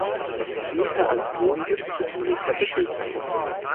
Es diente als Wohnsitz des Militärbefehlshabers.